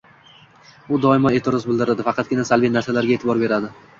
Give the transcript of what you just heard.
u doimo e’tiroz bildiradi, faqatgina salbiy narsalarga e’tibor beradi